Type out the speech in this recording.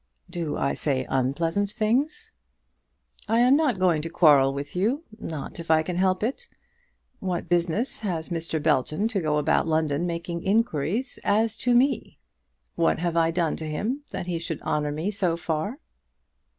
"Do I say unpleasant things?" "I am not going to quarrel with you, not if I can help it. What business has Mr. Belton to go about London making inquiries as to me? What have I done to him, that he should honour me so far?"